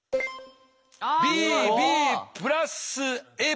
ＢＢプラスＡ。